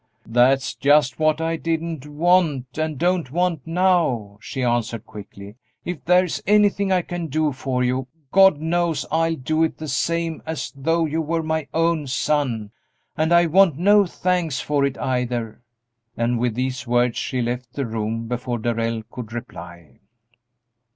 "That's just what I didn't want, and don't want now," she answered, quickly; "if there is anything I can do for you, God knows I'll do it the same as though you were my own son, and I want no thanks for it, either." And with these words she left the room before Darrell could reply.